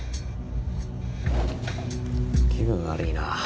気分悪いな。